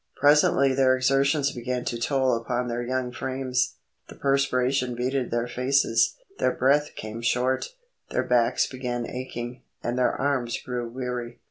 Presently their exertions began to toll upon their young frames. The perspiration beaded their faces, their breath came short, their backs began aching, and their arms grew weary.